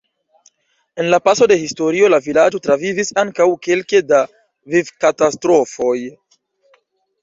En la paso de historio la vilaĝo travivis ankaŭ kelke da vivkatastrofoj.